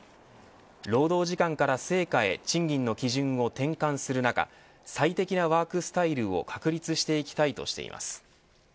労働時間から成果へ賃金の基準を転換する中最適なワークスタイルを確立していきたいとしています。